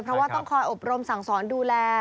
เพราะว่าต้องคอยอบรมสั่งสอนดูแล